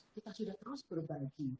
kita sudah terus berbagi